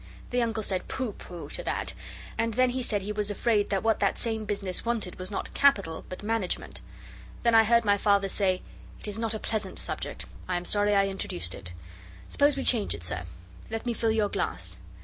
The Uncle said, 'Pooh, pooh!' to that, and then he said he was afraid that what that same business wanted was not capital but management. Then I heard my Father say, 'It is not a pleasant subject: I am sorry I introduced it. Suppose we change it, sir. Let me fill your glass.